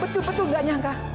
itu betul enggak nyangka